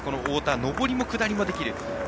上りも下りもできる。